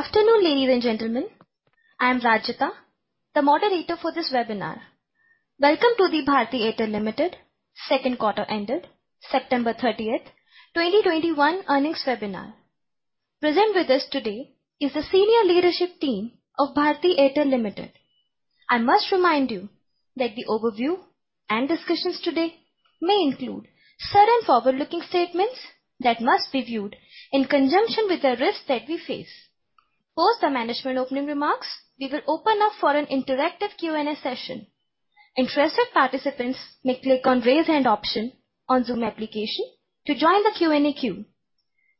Afternoon, ladies and gentlemen. I am Rajita, the moderator for this webinar. Welcome to the Bharti Airtel Limited second quarter ended September 30, 2021 earnings webinar. Present with us today is the senior leadership team of Bharti Airtel Limited. I must remind you that the overview and discussions today may include certain forward-looking statements that must be viewed in conjunction with the risks that we face. Post the management opening remarks, we will open up for an interactive Q&A session. Interested participants may click on Raise Hand option on Zoom application to join the Q&A queue.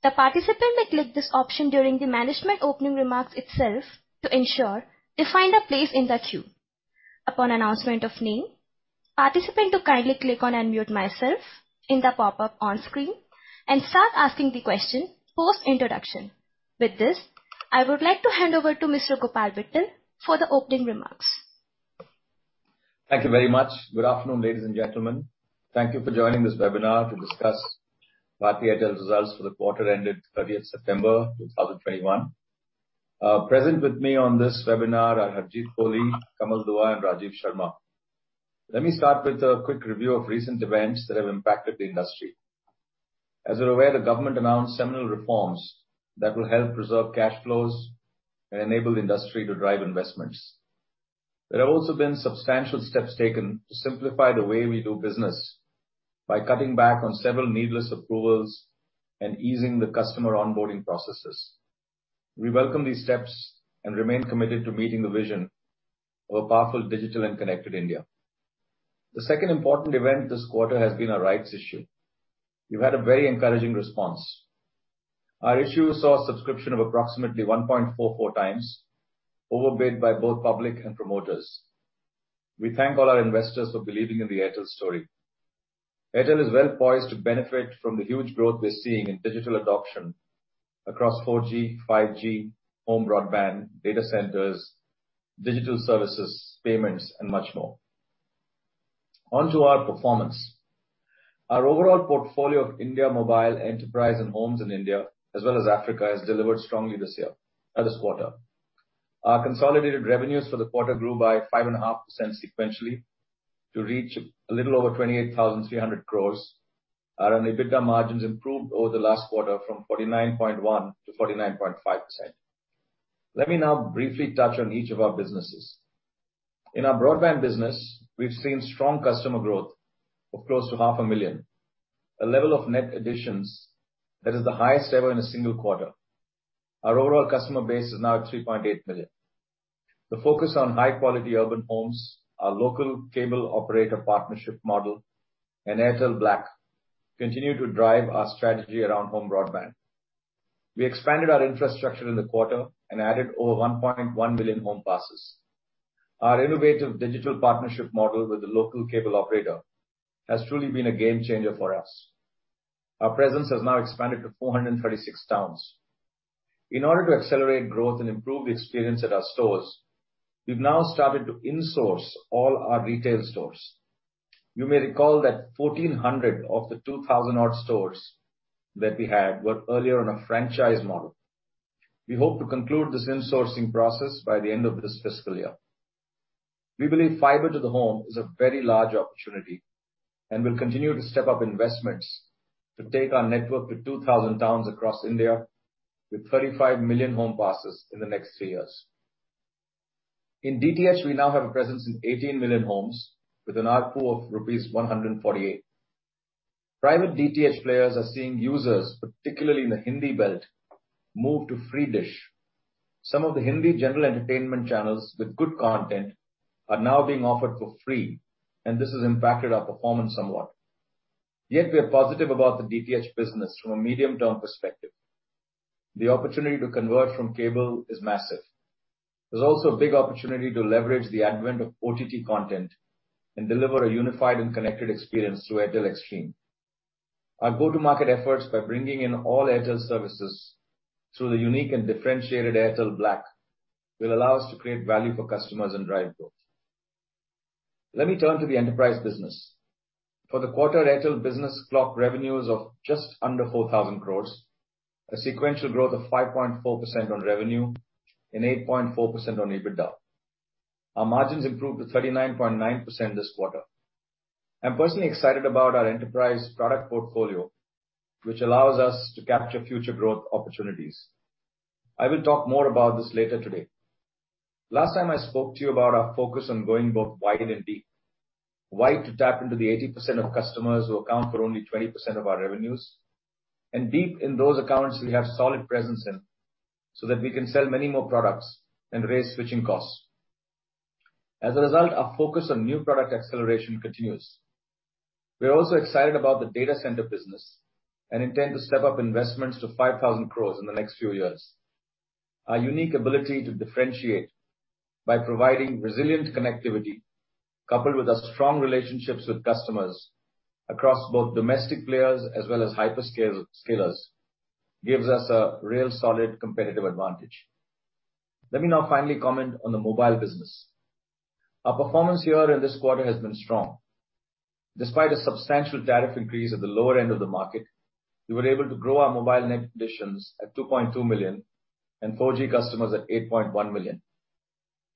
The participant may click this option during the management opening remarks itself to ensure they find a place in the queue. Upon announcement of name, participant to kindly click on Unmute Myself in the pop-up on screen and start asking the question post-introduction. With this, I would like to hand over to Mr. Gopal Vittal for the opening remarks. Thank you very much. Good afternoon, ladies and gentlemen. Thank you for joining this webinar to discuss Bharti Airtel's results for the quarter that ended 30 September 2021. Present with me on this webinar are Harjeet Kohli, Kamal Dua, and Rajiv Sharma. Let me start with a quick review of recent events that have impacted the industry. As you're aware, the government announced seminal reforms that will help preserve cash flows and enable the industry to drive investments. There have also been substantial steps taken to simplify the way we do business by cutting back on several needless approvals and easing the customer onboarding processes. We welcome these steps and remain committed to meeting the vision of a powerful digital and connected India. The second important event this quarter has been our rights issue. We've had a very encouraging response. Our issue saw a subscription of approximately 1.44 times, overbid by both public and promoters. We thank all our investors for believing in the Airtel story. Airtel is well-poised to benefit from the huge growth we're seeing in digital adoption across 4G, 5G, home broadband, data centers, digital services, payments, and much more. On to our performance. Our overall portfolio of India Mobile, Enterprise, and Homes in India, as well as Africa, has delivered strongly this year, or this quarter. Our consolidated revenues for the quarter grew by 5.5% sequentially to reach a little over 28,300 crore. Our OIBDA margins improved over the last quarter from 49.1%-49.5%. Let me now briefly touch on each of our businesses. In our broadband business, we've seen strong customer growth of close to 500,000, a level of net additions that is the highest ever in a single quarter. Our overall customer base is now at 3.8 million. The focus on high-quality urban homes, our local cable operator partnership model, and Airtel Black continue to drive our strategy around home broadband. We expanded our infrastructure in the quarter and added over 1.1 million home passes. Our innovative digital partnership model with the local cable operator has truly been a game changer for us. Our presence has now expanded to 436 towns. In order to accelerate growth and improve the experience at our stores, we've now started to in-source all our retail stores. You may recall that 1,400 of the 2,000-odd stores that we had were earlier on a franchise model. We hope to conclude this insourcing process by the end of this fiscal year. We believe fiber to the home is a very large opportunity and will continue to step up investments to take our network to 2,000 towns across India with 35 million home passes in the next three years. In DTH, we now have a presence in 18 million homes with an ARPU of rupees 148. Private DTH players are seeing users, particularly in the Hindi belt, move to free dish. Some of the Hindi general entertainment channels with good content are now being offered for free, and this has impacted our performance somewhat. Yet we are positive about the DTH business from a medium-term perspective. The opportunity to convert from cable is massive. There's also a big opportunity to leverage the advent of OTT content and deliver a unified and connected experience through Airtel Xstream. Our go-to-market efforts by bringing in all Airtel services through the unique and differentiated Airtel Black will allow us to create value for customers and drive growth. Let me turn to the enterprise business. For the quarter, Airtel Business clocked revenues of just under 4,000 crore, a sequential growth of 5.4% on revenue and 8.4% on OIBDA. Our margins improved to 39.9% this quarter. I'm personally excited about our enterprise product portfolio, which allows us to capture future growth opportunities. I will talk more about this later today. Last time I spoke to you about our focus on going both wide and deep. We aim to tap into the 80% of customers who account for only 20% of our revenues, and go deep in those accounts we have solid presence in, so that we can sell many more products and raise switching costs. Our focus on new product acceleration continues. We are also excited about the data center business and intend to step up investments to 5,000 crores in the next few years. Our unique ability to differentiate by providing resilient connectivity coupled with our strong relationships with customers across both domestic players as well as hyperscalers gives us a real solid competitive advantage. Let me now finally comment on the mobile business. Our performance here in this quarter has been strong. Despite a substantial tariff increase at the lower end of the market, we were able to grow our mobile net adds at 2.2 million and 4G customers at 8.1 million.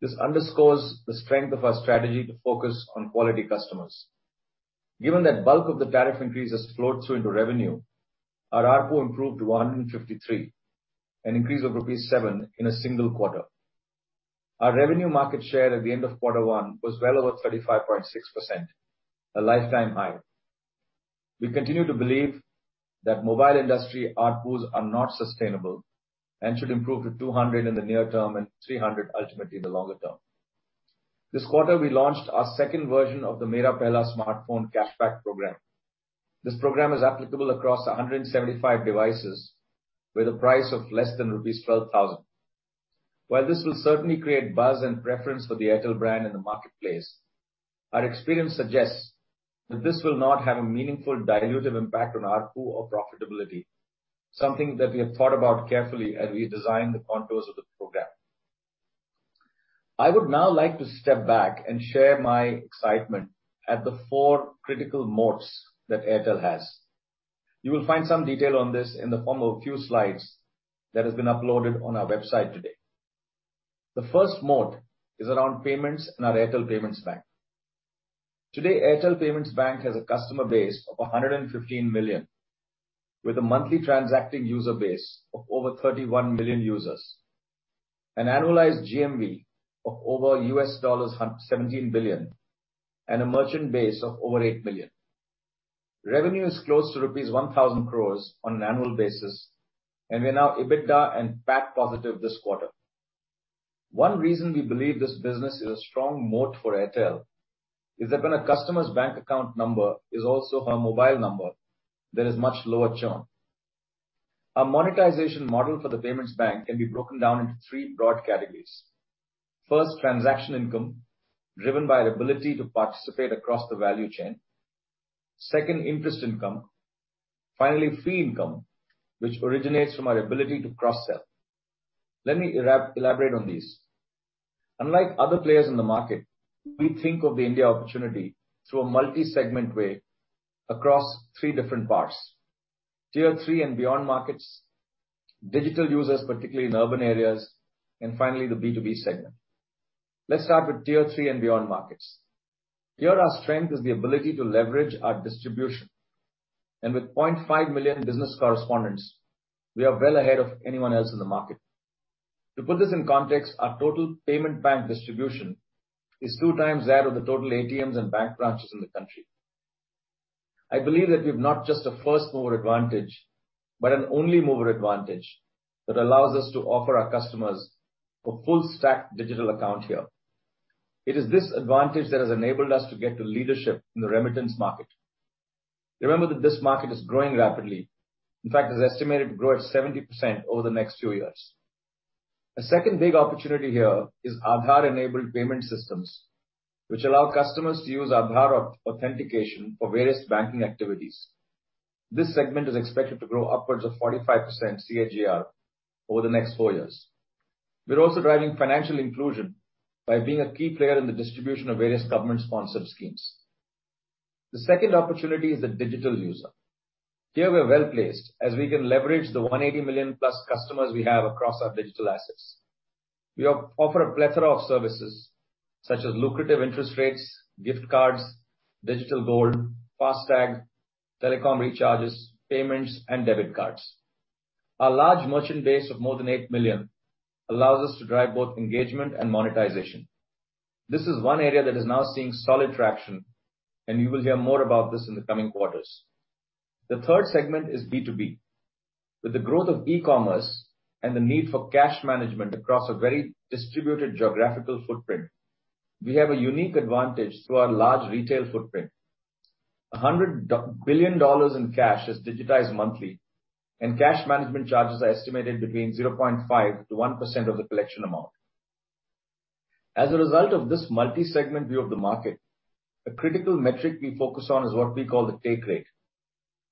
This underscores the strength of our strategy to focus on quality customers. Given that bulk of the tariff increase has flowed through into revenue, our ARPU improved to 153, an increase of INR seven in a single quarter. Our revenue market share at the end of quarter one was well over 35.6%, a lifetime high. We continue to believe that mobile industry ARPUs are not sustainable and should improve to 200 in the near term and 300 ultimately in the longer term. This quarter, we launched our second version of the Mera Pehla Smartphone cashback program. This program is applicable across 175 devices with a price of less than rupees 12,000. While this will certainly create buzz and preference for the Airtel brand in the marketplace, our experience suggests that this will not have a meaningful dilutive impact on ARPU or profitability, something that we have thought about carefully as we designed the contours of the program. I would now like to step back and share my excitement at the four critical moats that Airtel has. You will find some detail on this in the form of a few slides that has been uploaded on our website today. The first moat is around payments and our Airtel Payments Bank. Today, Airtel Payments Bank has a customer base of 115 million with a monthly transacting user base of over 31 million users, an annualized GMV of over $17 billion and a merchant base of over 8 million. Revenue is close to rupees 1,000 crores on an annual basis, and we're now EBITDA and PAT positive this quarter. One reason we believe this business is a strong moat for Airtel is that when a customer's bank account number is also her mobile number, there is much lower churn. Our monetization model for the payments bank can be broken down into three broad categories. First, transaction income, driven by the ability to participate across the value chain. Second, interest income. Finally, fee income, which originates from our ability to cross-sell. Let me elaborate on these. Unlike other players in the market, we think of the India opportunity through a multi-segment way across three different parts, tier three and beyond markets, digital users, particularly in urban areas, and finally the B2B segment. Let's start with tier three and beyond markets. Here, our strength is the ability to leverage our distribution, and with 0.5 million business correspondents, we are well ahead of anyone else in the market. To put this in context, our total Payments Bank distribution is two times that of the total ATMs and bank branches in the country. I believe that we have not just a first-mover advantage, but an only mover advantage that allows us to offer our customers a full stack digital account here. It is this advantage that has enabled us to get to leadership in the remittance market. Remember that this market is growing rapidly. In fact, it's estimated to grow at 70% over the next few years. A second big opportunity here is Aadhaar-enabled payment systems, which allow customers to use Aadhaar authentication for various banking activities. This segment is expected to grow upwards of 45% CAGR over the next four years. We're also driving financial inclusion by being a key player in the distribution of various government-sponsored schemes. The second opportunity is the digital user. Here we are well-placed, as we can leverage the 180 million-plus customers we have across our digital assets. We offer a plethora of services such as lucrative interest rates, gift cards, digital gold, FASTag, telecom recharges, payments, and debit cards. Our large merchant base of more than 8 million allows us to drive both engagement and monetization. This is one area that is now seeing solid traction, and you will hear more about this in the coming quarters. The third segment is B2B. With the growth of e-commerce and the need for cash management across a very distributed geographical footprint, we have a unique advantage through our large retail footprint. $100 billion in cash is digitized monthly, and cash management charges are estimated between 0.5%-1% of the collection amount. As a result of this multi-segment view of the market, a critical metric we focus on is what we call the take rate.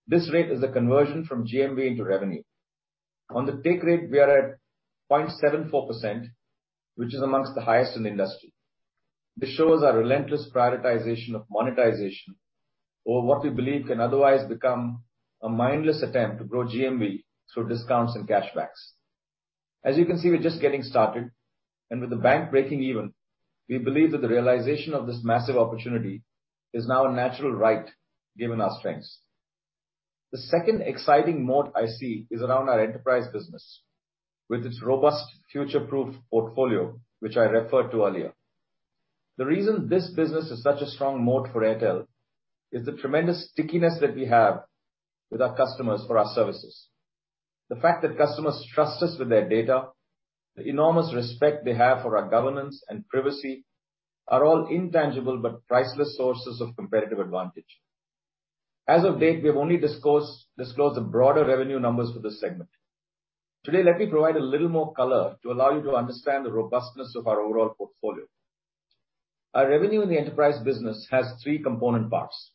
This rate is the conversion from GMV into revenue. On the take rate, we are at 0.74%, which is among the highest in the industry. This shows our relentless prioritization of monetization or what we believe can otherwise become a mindless attempt to grow GMV through discounts and cashbacks. As you can see, we're just getting started, and with the bank breaking even, we believe that the realization of this massive opportunity is now a natural right given our strengths. The second exciting moat I see is around our enterprise business with its robust future-proof portfolio, which I referred to earlier. The reason this business is such a strong moat for Airtel is the tremendous stickiness that we have with our customers for our services. The fact that customers trust us with their data, the enormous respect they have for our governance and privacy are all intangible but priceless sources of competitive advantage. As of date, we have only disclosed the broader revenue numbers for this segment. Today, let me provide a little more color to allow you to understand the robustness of our overall portfolio. Our revenue in the enterprise business has three component parts.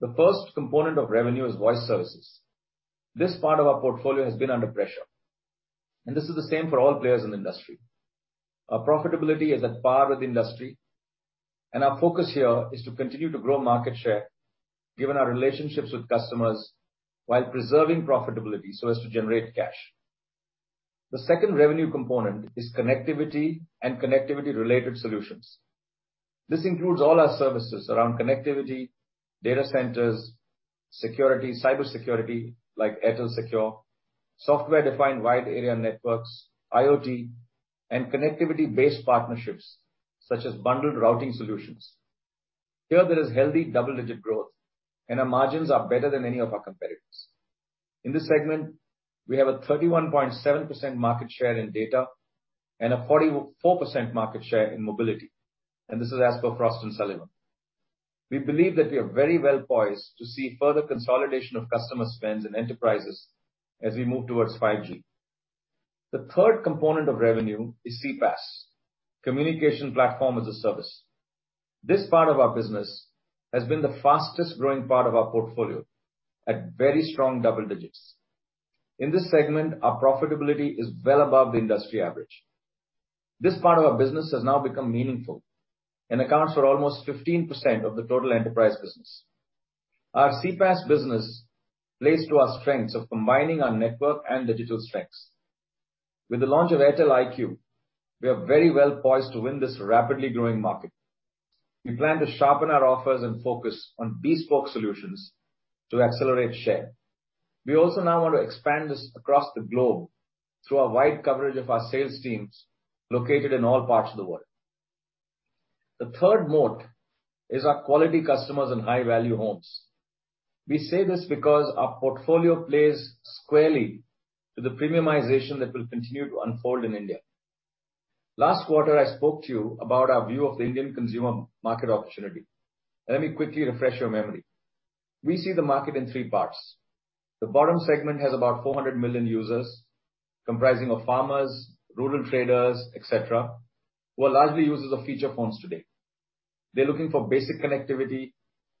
The first component of revenue is voice services. This part of our portfolio has been under pressure, and this is the same for all players in the industry. Our profitability is at par with the industry, and our focus here is to continue to grow market share given our relationships with customers while preserving profitability so as to generate cash. The second revenue component is connectivity and connectivity-related solutions. This includes all our services around connectivity, data centers, security, cybersecurity, like Airtel Secure, software-defined wide area networks, IoT, and connectivity-based partnerships, such as bundled routing solutions. Here there is healthy double-digit growth, and our margins are better than any of our competitors. In this segment, we have a 31.7% market share in data and a 44% market share in mobility, and this is as per Frost & Sullivan. We believe that we are very well poised to see further consolidation of customer spends and enterprises as we move towards 5G. The third component of revenue is CPaaS, communication platform as a service. This part of our business has been the fastest-growing part of our portfolio at very strong double digits. In this segment, our profitability is well above the industry average. This part of our business has now become meaningful and accounts for almost 15% of the total enterprise business. Our CPaaS business plays to our strengths of combining our network and digital strengths. With the launch of Airtel IQ, we are very well poised to win this rapidly growing market. We plan to sharpen our offers and focus on bespoke solutions to accelerate share. We also now want to expand this across the globe through our wide coverage of our sales teams located in all parts of the world. The third moat is our quality customers and high-value homes. We say this because our portfolio plays squarely to the premiumization that will continue to unfold in India. Last quarter, I spoke to you about our view of the Indian consumer market opportunity. Let me quickly refresh your memory. We see the market in three parts. The bottom segment has about 400 million users comprising of farmers, rural traders, et cetera, who are largely users of feature phones today. They're looking for basic connectivity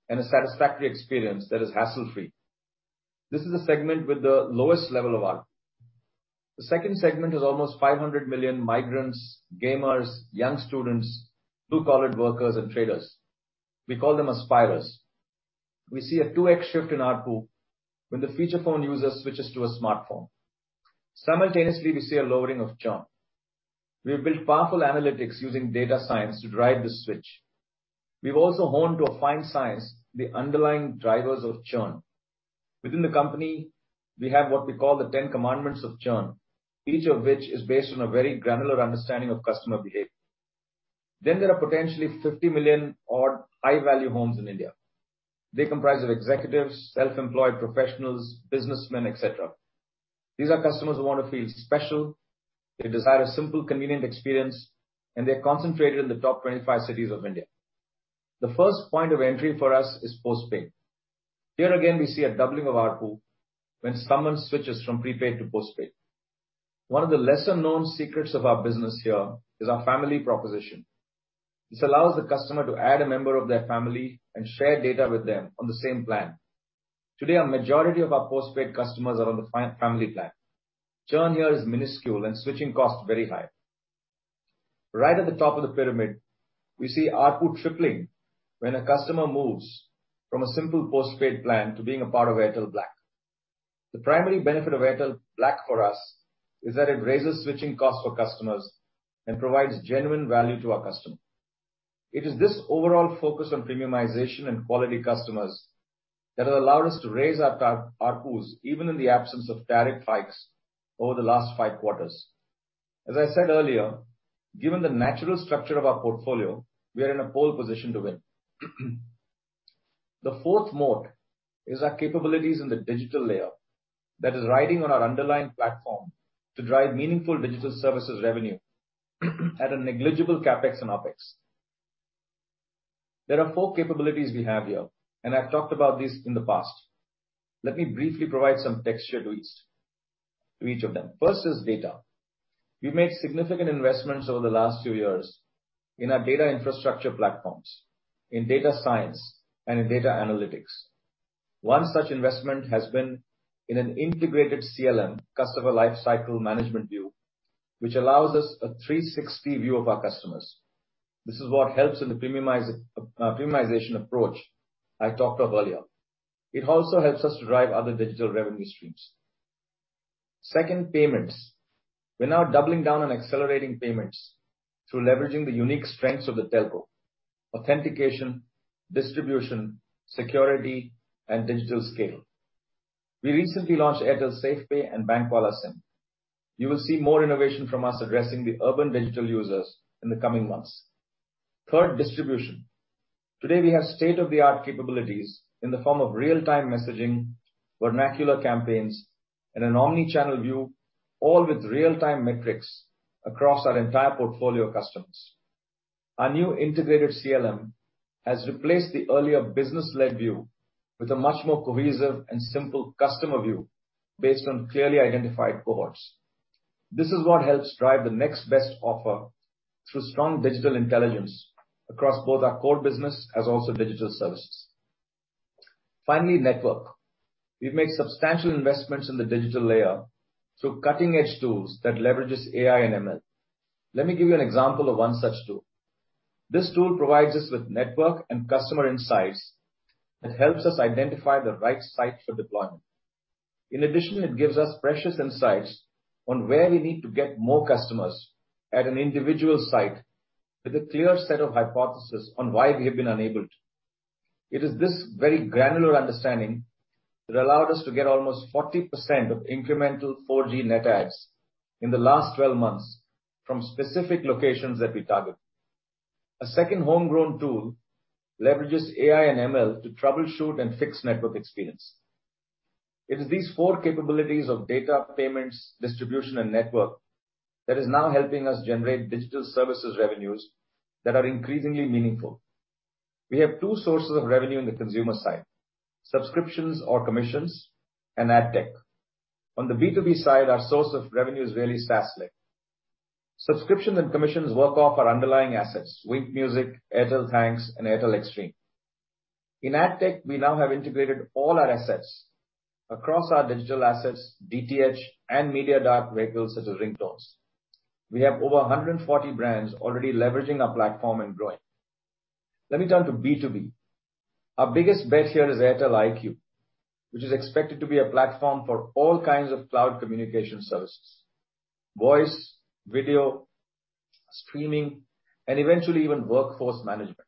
and a satisfactory experience that is hassle-free. This is a segment with the lowest level of ARPU. The second segment is almost 500 million migrants, gamers, young students, blue-collar workers and traders. We call them aspirers. We see a 2x shift in ARPU when the feature phone user switches to a smartphone. Simultaneously, we see a lowering of churn. We have built powerful analytics using data science to drive this switch. We've also honed to a fine science the underlying drivers of churn. Within the company, we have what we call the ten commandments of churn, each of which is based on a very granular understanding of customer behavior. There are potentially 50 million-odd high-value homes in India. They comprise of executives, self-employed professionals, businessmen, et cetera. These are customers who want to feel special. They desire a simple, convenient experience, and they're concentrated in the top 25 cities of India. The first point of entry for us is postpaid. Here again, we see a doubling of ARPU when someone switches from prepaid to postpaid. One of the lesser-known secrets of our business here is our family proposition. This allows the customer to add a member of their family and share data with them on the same plan. Today, a majority of our postpaid customers are on the family plan. Churn here is minuscule and switching costs very high. Right at the top of the pyramid, we see ARPU tripling when a customer moves from a simple postpaid plan to being a part of Airtel Black. The primary benefit of Airtel Black for us is that it raises switching costs for customers and provides genuine value to our customer. It is this overall focus on premiumization and quality customers that have allowed us to raise our ARPUs, even in the absence of tariff hikes over the last five quarters. As I said earlier, given the natural structure of our portfolio, we are in a pole position to win. The fourth moat is our capabilities in the digital layer that is riding on our underlying platform to drive meaningful digital services revenue at a negligible CapEx and OpEx. There are four capabilities we have here, and I've talked about these in the past. Let me briefly provide some texture to each of them. First is data. We've made significant investments over the last two years in our data infrastructure platforms, in data science and in data analytics. One such investment has been in an integrated CLM, customer lifecycle management view, which allows us a 360 view of our customers. This is what helps in the premiumize, premiumization approach I talked of earlier. It also helps us to drive other digital revenue streams. Second, payments. We're now doubling down on accelerating payments through leveraging the unique strengths of the telco. Authentication, distribution, security, and digital scale. We recently launched Airtel SafePay and Bank Wala SIM. You will see more innovation from us addressing the urban digital users in the coming months. Third, distribution. Today, we have state-of-the-art capabilities in the form of real-time messaging, vernacular campaigns, and an omni-channel view, all with real-time metrics across our entire portfolio of customers. Our new integrated CLM has replaced the earlier business-led view with a much more cohesive and simple customer view based on clearly identified cohorts. This is what helps drive the next best offer through strong digital intelligence across both our core business as also digital services. Finally, network. We've made substantial investments in the digital layer through cutting-edge tools that leverages AI and ML. Let me give you an example of one such tool. This tool provides us with network and customer insights that helps us identify the right site for deployment. In addition, it gives us precious insights on where we need to get more customers at an individual site with a clear set of hypothesis on why we have been enabled. It is this very granular understanding that allowed us to get almost 40% of incremental 4G net adds in the last 12 months from specific locations that we target. A second homegrown tool leverages AI and ML to troubleshoot and fix network experience. It is these four capabilities of data, payments, distribution, and network that is now helping us generate digital services revenues that are increasingly meaningful. We have two sources of revenue in the consumer side, subscriptions or commissions and AdTech. On the B2B side, our source of revenue is really SaaS-led. Subscription and commissions work off our underlying assets, Wynk Music, Airtel Thanks, and Airtel Xstream. In AdTech, we now have integrated all our assets across our digital assets, DTH, and media ad vehicles such as ringtones. We have over 140 brands already leveraging our platform and growing. Let me turn to B2B. Our biggest bet here is Airtel IQ, which is expected to be a platform for all kinds of cloud communication services, voice, video, streaming, and eventually even workforce management.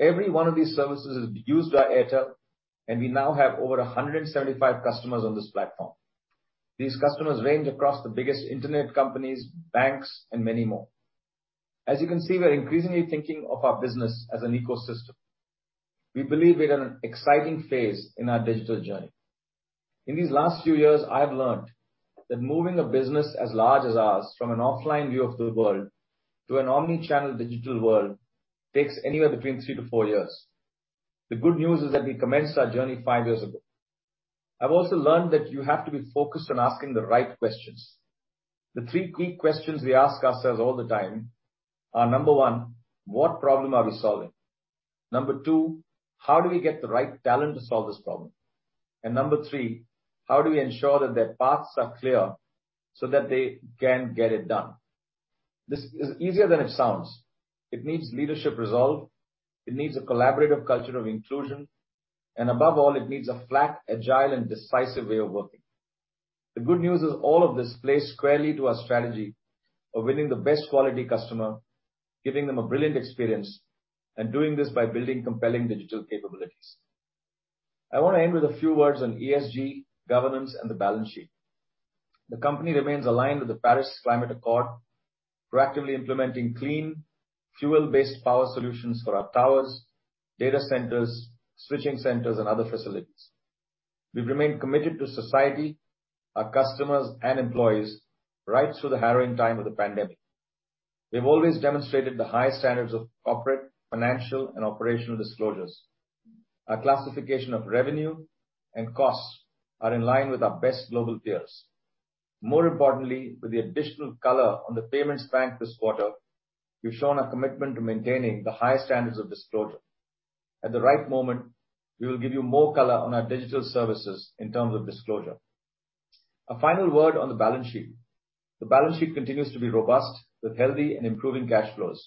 Every one of these services is used by Airtel, and we now have over 175 customers on this platform. These customers range across the biggest internet companies, banks, and many more. As you can see, we're increasingly thinking of our business as an ecosystem. We believe we're in an exciting phase in our digital journey. In these last few years, I have learned that moving a business as large as ours from an offline view of the world to an omnichannel digital world takes anywhere between three-four years. The good news is that we commenced our journey five years ago. I've also learned that you have to be focused on asking the right questions. The three key questions we ask ourselves all the time are, one, what problem are we solving? two, how do we get the right talent to solve this problem? And three, how do we ensure that their paths are clear so that they can get it done? This is easier than it sounds. It needs leadership resolve, it needs a collaborative culture of inclusion, and above all, it needs a flat, agile, and decisive way of working. The good news is all of this plays squarely to our strategy of winning the best quality customer, giving them a brilliant experience, and doing this by building compelling digital capabilities. I wanna end with a few words on ESG, governance, and the balance sheet. The company remains aligned with the Paris Agreement, proactively implementing clean, fuel-based power solutions for our towers, data centers, switching centers, and other facilities. We've remained committed to society, our customers, and employees right through the harrowing time of the pandemic. We've always demonstrated the highest standards of corporate, financial, and operational disclosures. Our classification of revenue and costs are in line with our best global peers. More importantly, with the additional color on the payments bank this quarter, we've shown our commitment to maintaining the highest standards of disclosure. At the right moment, we will give you more color on our digital services in terms of disclosure. A final word on the balance sheet. The balance sheet continues to be robust with healthy and improving cash flows.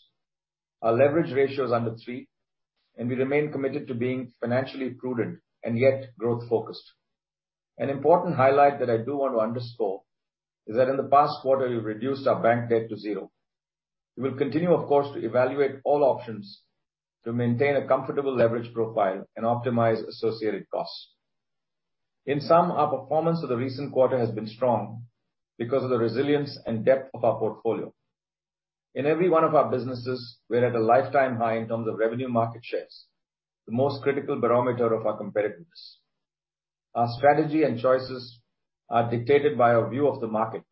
Our leverage ratio is under three, and we remain committed to being financially prudent and yet growth-focused. An important highlight that I do want to underscore is that in the past quarter, we've reduced our bank debt to zero. We will continue, of course, to evaluate all options to maintain a comfortable leverage profile and optimize associated costs. In sum, our performance of the recent quarter has been strong because of the resilience and depth of our portfolio. In every one of our businesses, we're at a lifetime high in terms of revenue market shares, the most critical barometer of our competitiveness. Our strategy and choices are dictated by our view of the market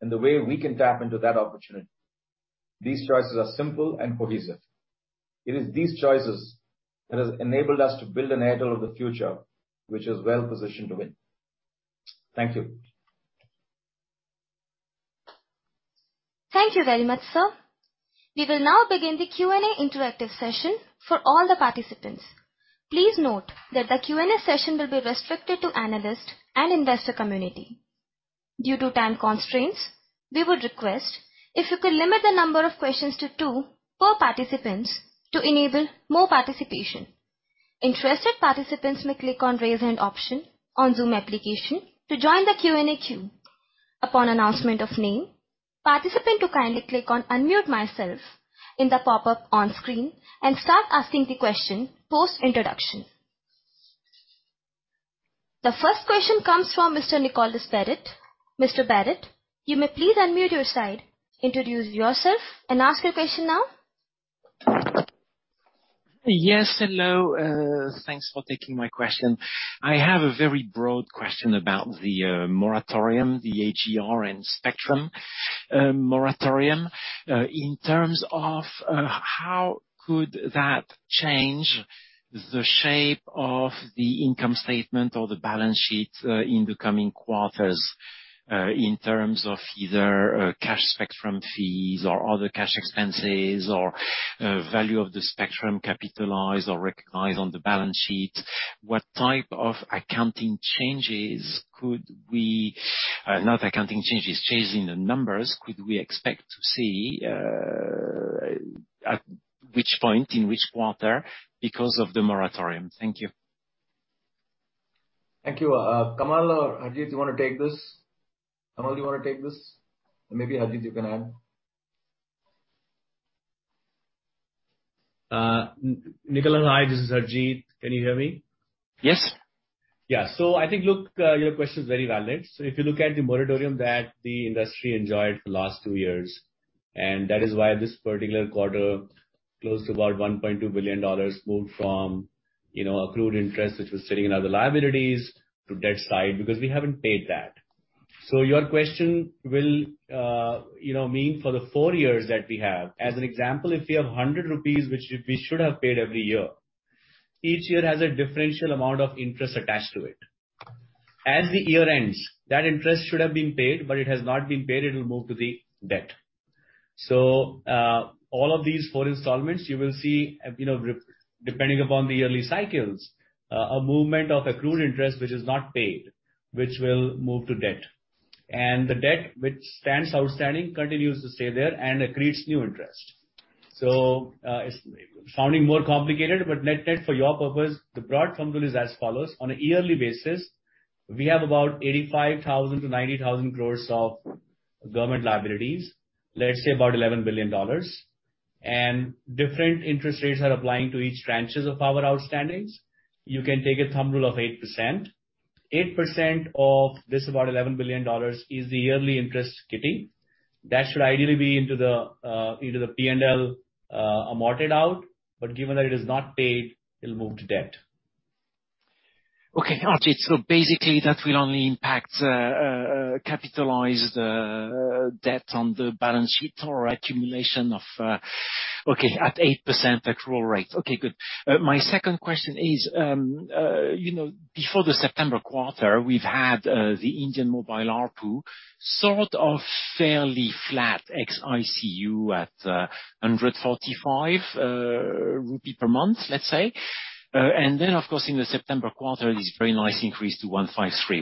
and the way we can tap into that opportunity. These choices are simple and cohesive. It is these choices that has enabled us to build an Airtel of the future, which is well-positioned to win. Thank you. Thank you very much, sir. We will now begin the Q&A interactive session for all the participants. Please note that the Q&A session will be restricted to analyst and investor community. Due to time constraints, we would request if you could limit the number of questions to two per participants to enable more participation. Interested participants may click on Raise Hand option on Zoom application to join the Q&A queue. Upon announcement of name, participant to kindly click on Unmute Myself in the pop-up on screen and start asking the question post-introduction. The first question comes from Mr. Nicolas Baratte. Mr. Baratte, you may please unmute your side, introduce yourself, and ask your question now. Yes, hello. Thanks for taking my question. I have a very broad question about the moratorium, the AGR and spectrum moratorium, in terms of how could that change the shape of the income statement or the balance sheet, in the coming quarters, in terms of either cash spectrum fees or other cash expenses or value of the spectrum capitalized or recognized on the balance sheet? What type of changes in the numbers could we expect to see, at which point, in which quarter because of the moratorium? Thank you. Thank you. Kamal or Harjeet, you wanna take this? Kamal, do you wanna take this? Maybe, Harjeet, you can add. Nicolas Baratte and I, this is Harjeet Kohli. Can you hear me? Yes. Yeah. I think, look, your question is very valid. If you look at the moratorium that the industry enjoyed for the last two years, and that is why this particular quarter, close to about $1.2 billion moved from, you know, accrued interest, which was sitting in other liabilities to debt side because we haven't paid that. Your question will, you know, mean for the four years that we have. As an example, if you have 100 rupees, which we should have paid every year, each year has a differential amount of interest attached to it. As the year ends, that interest should have been paid, but it has not been paid. It will move to the debt. All of these four installments, you will see, you know, re-depending upon the yearly cycles, a movement of accrued interest which is not paid, which will move to debt. The debt which stands outstanding, continues to stay there and accrues new interest. It's sounding more complicated, but net-net for your purpose, the broad thumb rule is as follows. On a yearly basis, we have about 85,000 crore-90,000 crore of government liabilities, let's say about $11 billion. Different interest rates are applying to each tranches of our outstandings. You can take a thumb rule of 8%. 8% of this about $11 billion is the yearly interest kitty. That should ideally be into the P&L, amortized out, but given that it is not paid, it'll move to debt. Okay. Got it. Basically that will only impact capitalized debt on the balance sheet or accumulation of. Okay, at 8% accrual rate. Okay, good. My second question is, you know, before the September quarter, we've had the Indian mobile ARPU sort of fairly flat ex-IUC at 145 rupee per month, let's say. Of course, in the September quarter, this very nice increase to 153.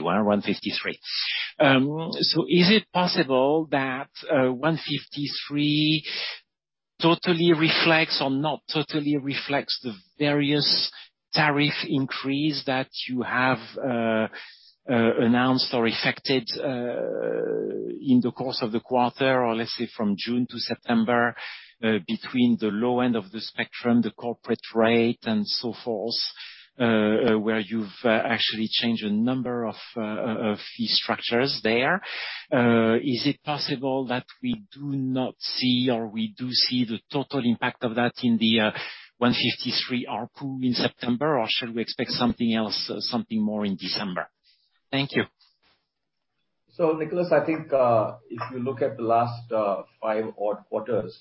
Is it possible that 153 totally reflects or not totally reflects the various tariff increase that you have announced or effected in the course of the quarter or let's say from June to September where you've actually changed a number of fee structures there? Is it possible that we do not see or we do see the total impact of that in the 153 ARPU in September, or should we expect something else, something more in December? Thank you. Nicolas, I think if you look at the last five odd quarters,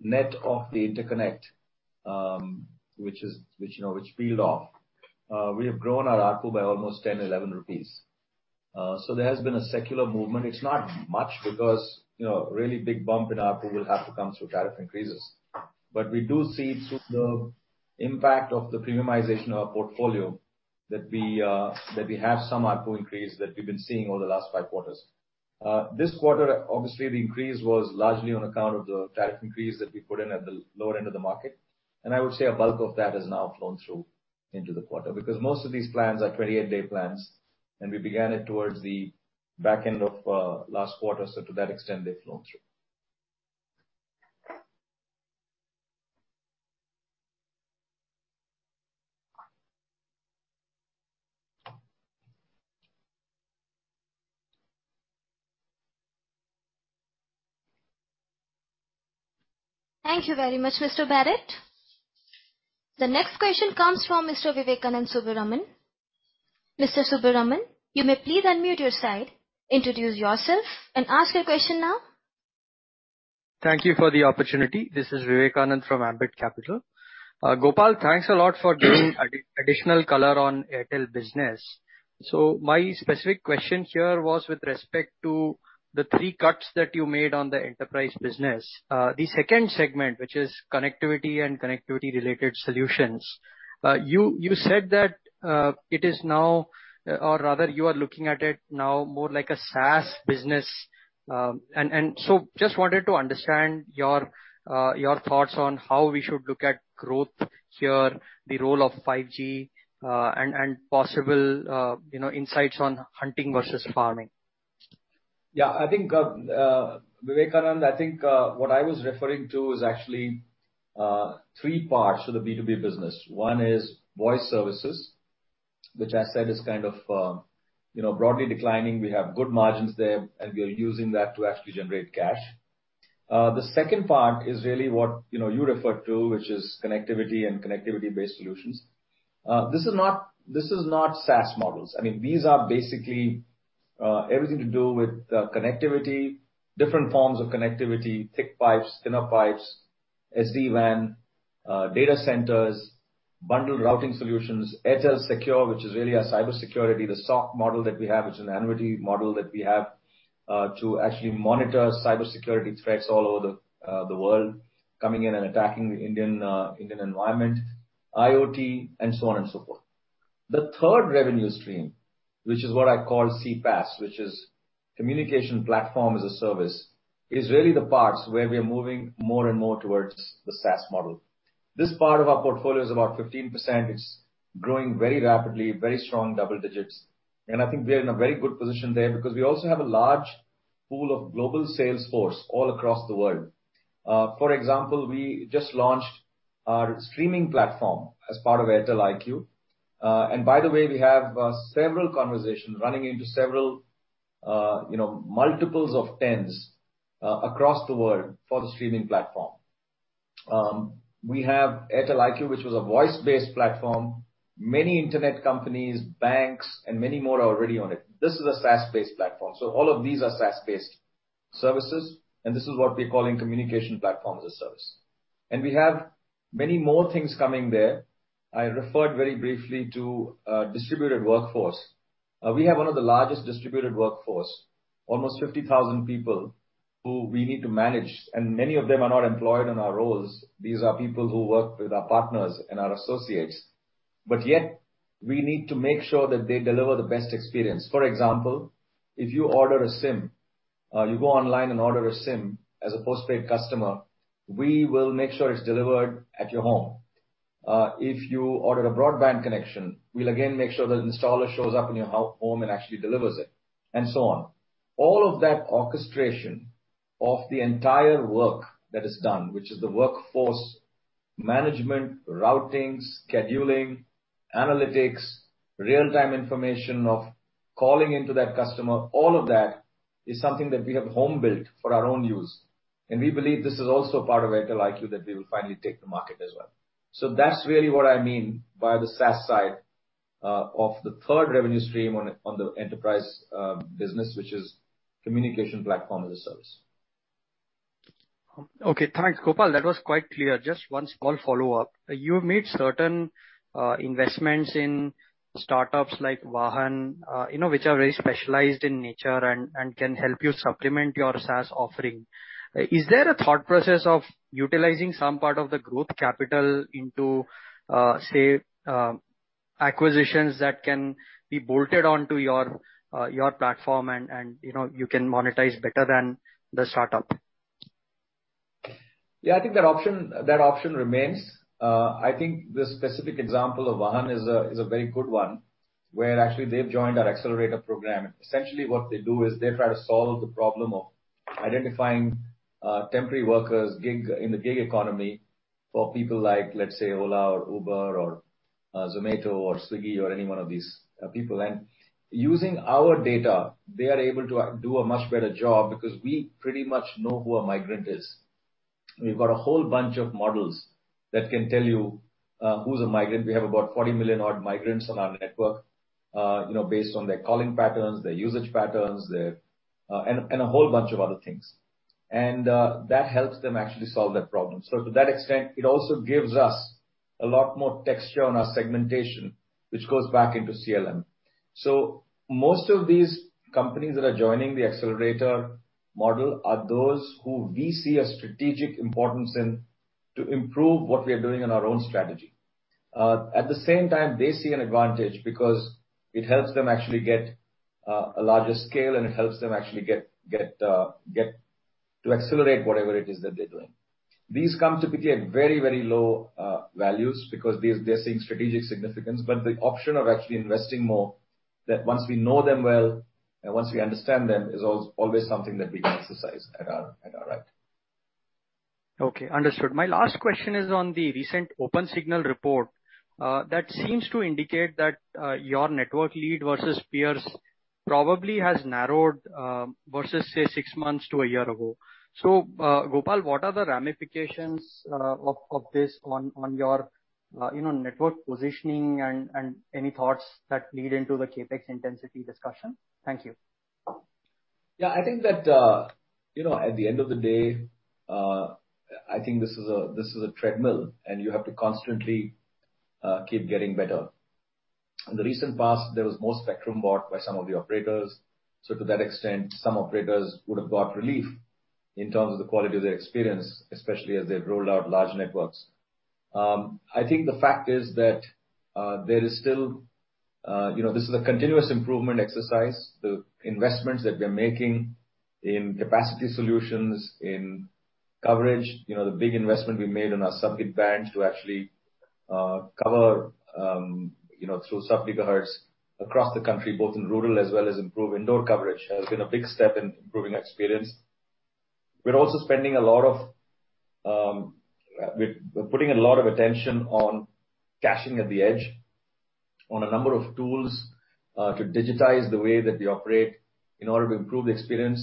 net of the interconnect, which you know peeled off, we have grown our ARPU by almost 10-11 rupees. There has been a secular movement. It's not much because really big bump in ARPU will have to come through tariff increases. We do see through the impact of the premiumization of our portfolio that we have some ARPU increase that we've been seeing over the last five quarters. This quarter, obviously, the increase was largely on account of the tariff increase that we put in at the lower end of the market. I would say a bulk of that has now flowed through into the quarter. Because most of these plans are 28-day plans, and we began it towards the back end of last quarter. To that extent, they've flown through. Thank you very much, Mr. Baratte. The next question comes from Mr. Vivekanand Subbaraman. Mr. Subbaraman, you may please unmute your side, introduce yourself, and ask your question now. Thank you for the opportunity. This is Vivekanand Subbaraman from Ambit Capital. Gopal Vittal, thanks a lot for giving additional color on Airtel Business. My specific question here was with respect to the three cuts that you made on the enterprise business. The second segment, which is connectivity and connectivity related solutions. You said that it is now, or rather you are looking at it now more like a SaaS business. Just wanted to understand your thoughts on how we should look at growth here, the role of 5G, and possible insights on hunting versus farming. Yeah. I think, Vivekanand, I think what I was referring to is actually three parts to the B2B business. One is voice services, which I said is kind of, you know, broadly declining. We have good margins there, and we are using that to actually generate cash. The second part is really what, you know, you referred to, which is connectivity and connectivity-based solutions. This is not SaaS models. I mean, these are basically everything to do with connectivity, different forms of connectivity, thick pipes, thinner pipes, SD-WAN, data centers, bundled routing solutions, Airtel Secure, which is really our cybersecurity, the SOC model that we have. It's an annuity model that we have to actually monitor cybersecurity threats all over the world coming in and attacking the Indian environment, IoT, and so on and so forth. The third revenue stream, which is what I call CPaaS, which is communication platform as a service, is really the parts where we are moving more and more towards the SaaS model. This part of our portfolio is about 15%. It's growing very rapidly, very strong double digits. I think we are in a very good position there because we also have a large pool of global sales force all across the world. For example, we just launched our streaming platform as part of Airtel IQ. By the way, we have several conversations running into several, you know, multiples of tens across the world for the streaming platform. We have Airtel IQ, which was a voice-based platform. Many internet companies, banks and many more are already on it. This is a SaaS-based platform. All of these are SaaS-based services, and this is what we're calling communication platform as a service. We have many more things coming there. I referred very briefly to distributed workforce. We have one of the largest distributed workforce, almost 50,000 people who we need to manage, and many of them are not employed in our roles. These are people who work with our partners and our associates. Yet we need to make sure that they deliver the best experience. For example, if you order a SIM, you go online and order a SIM as a postpaid customer, we will make sure it's delivered at your home. If you order a broadband connection, we'll again make sure that an installer shows up in your home and actually delivers it, and so on. All of that orchestration of the entire work that is done, which is the workforce management, routings, scheduling, analytics, real-time information of calling into that customer, all of that is something that we have home-built for our own use, and we believe this is also part of Airtel IQ that we will finally take to market as well. That's really what I mean by the SaaS side of the third revenue stream on the enterprise business, which is communication platform as a service. Okay. Thanks, Gopal. That was quite clear. Just one small follow-up. You have made certain investments in startups like Vahan, you know, which are very specialized in nature and can help you supplement your SaaS offering. Is there a thought process of utilizing some part of the growth capital into, say, acquisitions that can be bolted onto your platform and you know, you can monetize better than the startup? Yeah, I think that option remains. I think the specific example of Vahan is a very good one, where actually they've joined our accelerator program. Essentially what they do is they try to solve the problem of identifying temporary workers in the gig economy for people like, let's say, Ola or Uber or Zomato or Swiggy or any one of these people. Using our data, they are able to do a much better job because we pretty much know who a migrant is. We've got a whole bunch of models that can tell you who's a migrant. We have about 40 million odd migrants on our network, you know, based on their calling patterns, their usage patterns, their and a whole bunch of other things. That helps them actually solve that problem. To that extent, it also gives us a lot more texture on our segmentation, which goes back into CLM. Most of these companies that are joining the accelerator model are those who we see a strategic importance in to improve what we are doing in our own strategy. At the same time, they see an advantage because it helps them actually get a larger scale, and it helps them actually get to accelerate whatever it is that they're doing. These come typically at very low values because they're seeing strategic significance. But the option of actually investing more, that once we know them well and once we understand them, is always something that we can exercise at our end. Okay, understood. My last question is on the recent Opensignal report that seems to indicate that your network lead versus peers probably has narrowed versus say six months to a year ago. Gopal, what are the ramifications of this on your you know network positioning and any thoughts that lead into the CapEx intensity discussion? Thank you. I think that, you know, at the end of the day, I think this is a treadmill, and you have to constantly keep getting better. In the recent past, there was more spectrum bought by some of the operators. So to that extent, some operators would have got relief in terms of the quality of their experience, especially as they've rolled out large networks. I think the fact is that there is still, you know, this is a continuous improvement exercise. The investments that we are making in capacity solutions, in coverage, you know, the big investment we made on our sub-GHz bands to actually cover through sub-GHz across the country, both in rural as well as improve indoor coverage, has been a big step in improving experience. We're also spending a lot of We're putting a lot of attention on caching at the edge on a number of tools to digitize the way that we operate in order to improve the experience.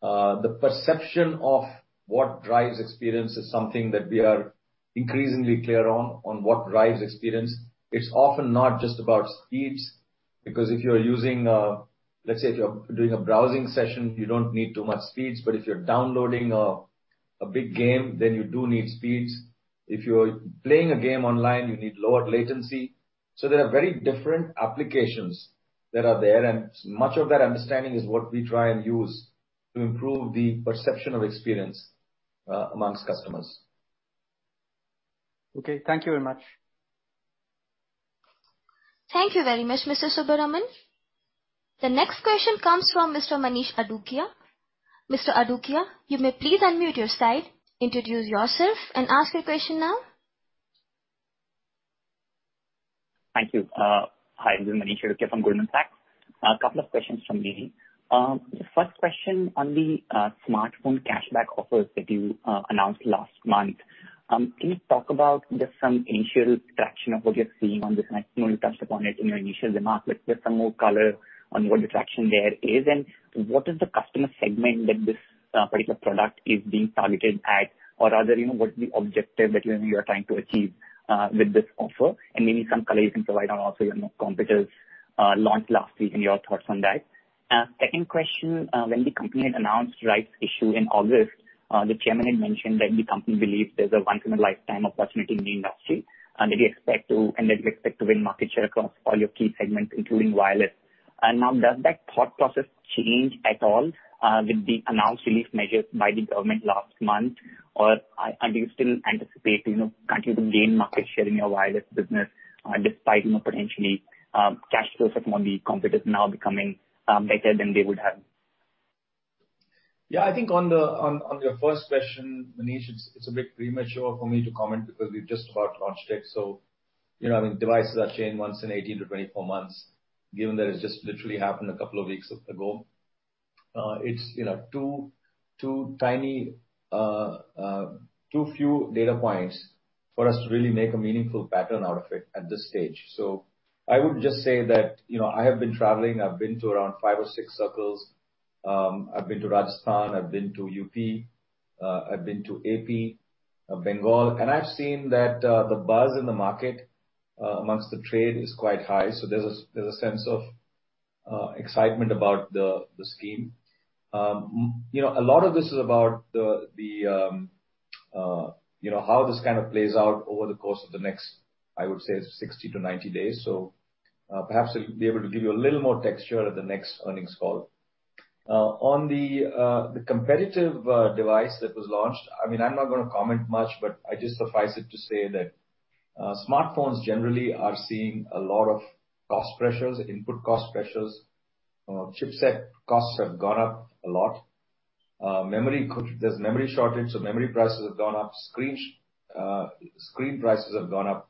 The perception of what drives experience is something that we are increasingly clear on what drives experience. It's often not just about speeds, because if you're using, let's say, if you're doing a browsing session, you don't need too much speeds, but if you're downloading a big game, then you do need speeds. If you're playing a game online, you need lower latency. There are very different applications that are there, and much of that understanding is what we try and use to improve the perception of experience amongst customers. Okay, thank you very much. Thank you very much, Mr. Subbaraman. The next question comes from Mr. Manish Adukia. Mr. Adukia, you may please unmute your side, introduce yourself, and ask your question now. Thank you. Hi, this is Manish Adukia from Goldman Sachs. A couple of questions from me. The first question on the smartphone cashback offers that you announced last month. Can you talk about just some initial traction of what you're seeing on this? I know you touched upon it in your initial remarks, but just some more color on what the traction there is, and what is the customer segment that this particular product is being targeted at? Or rather, you know, what is the objective that you are trying to achieve with this offer? And maybe some color you can provide on also your competitors launch last week and your thoughts on that. Second question. When the company had announced rights issue in August, the chairman had mentioned that the company believes there's a once in a lifetime opportunity in the industry, and that you expect to win market share across all your key segments, including wireless. Now does that thought process change at all, with the announced relief measures by the government last month? Or are you still anticipating, you know, continuing to gain market share in your wireless business, despite, you know, potentially, cash flows from all the competitors now becoming better than they would have? Yeah, I think on your first question, Manish, it's a bit premature for me to comment because we've just about launched it. You know, I mean, devices are changed once in 18-24 months. Given that it's just literally happened a couple of weeks ago, it's too tiny, too few data points for us to really make a meaningful pattern out of it at this stage. I would just say that, you know, I have been traveling. I've been to around five or six circles. I've been to Rajasthan, I've been to UP, I've been to AP, Bengal, and I've seen that the buzz in the market amongst the trade is quite high. There's a sense of excitement about the scheme. You know, a lot of this is about how this kind of plays out over the course of the next, I would say 60-90 days. Perhaps I'll be able to give you a little more texture at the next earnings call. On the competitive device that was launched, I mean, I'm not gonna comment much, but suffice it to say that smartphones generally are seeing a lot of cost pressures, input cost pressures. Chipset costs have gone up a lot. There's memory shortage, so memory prices have gone up. Screen prices have gone up.